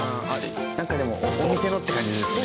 なんかでもお店のって感じですね。